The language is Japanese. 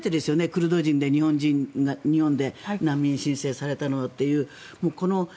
クルド人が日本で難民申請されたのという。